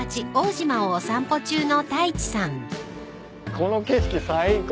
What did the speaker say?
この景色最高。